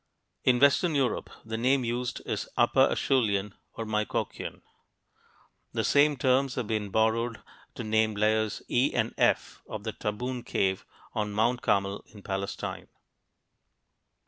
In western Europe, the name used is Upper Acheulean or Micoquian. The same terms have been borrowed to name layers E and F in the Tabun cave, on Mount Carmel in Palestine.